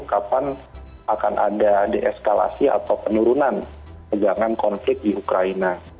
kapan akan ada deeskalasi atau penurunan pegangan konflik di ukraina